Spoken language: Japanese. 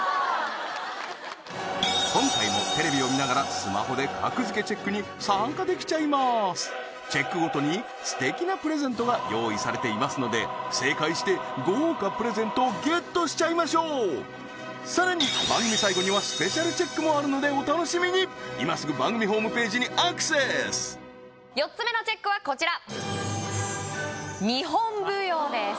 今回もテレビを見ながらスマホで格付けチェックに参加できちゃいますチェックごとにすてきなプレゼントが用意されていますので正解して豪華プレゼントをゲットしちゃいましょうさらに番組さいごにはスペシャルチェックもあるのでお楽しみにいますぐ番組ホームページにアクセス４つ目のＣＨＥＣＫはこちら日本舞踊です